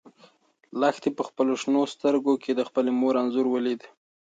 لښتې په خپلو شنه سترګو کې د خپلې مور انځور ولید.